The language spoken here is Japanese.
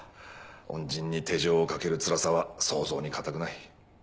恩人に手錠をかけるつらさは想像に難くない。